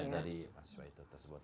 dari mahasiswa itu tersebut